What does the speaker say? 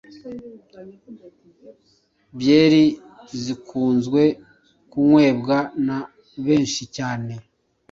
Byeri zikunzwe kunwebwa na benshi cyane